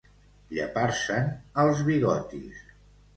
Llepar-se'n els bigotis.